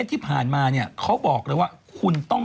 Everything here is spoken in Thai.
ใช้ภาษาอีเลฟเฟ้นด์กันมา